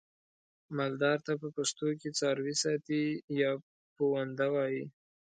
مالدار ته په پښتو کې څارويساتی یا پوونده وایي.